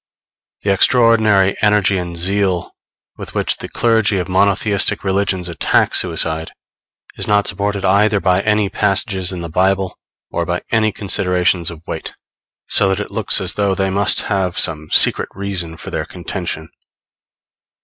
The extraordinary energy and zeal with which the clergy of monotheistic religions attack suicide is not supported either by any passages in the Bible or by any considerations of weight; so that it looks as though they must have some secret reason for their contention.